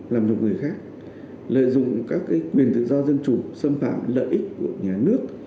làm nhục người khác lợi dụng các quyền tự do dân chủ xâm phạm lợi ích của nhà nước